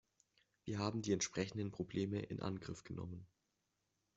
Wir haben die entsprechenden Probleme in Angriff genommen.